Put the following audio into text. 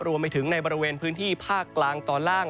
รวมไปถึงในบริเวณพื้นที่ภาคกลางตอนล่าง